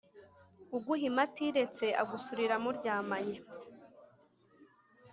Uguhima atiretse agusurira mu ryamanye